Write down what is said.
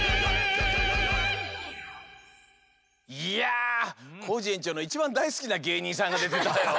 いやコージえんちょうのいちばんだいすきなげいにんさんがでてたよ。